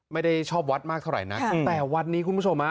ไม่ได้ชอบวัดมากเท่าไหร่นักแต่วัดนี้คุณผู้ชมฮะ